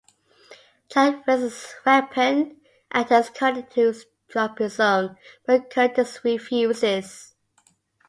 Jack raises his weapon and tells Curtis to drop his own, but Curtis refuses.